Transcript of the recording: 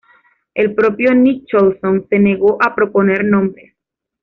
El propio Nicholson se negó a proponer nombres.